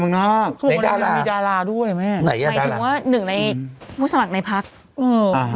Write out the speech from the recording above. ไหนอ่ะดาราหมายถึงว่าหนึ่งในอืมผู้สมัครในพักเอออ่า